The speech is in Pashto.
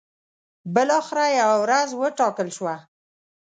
بالاخره یوه ورځ وټاکل شوه.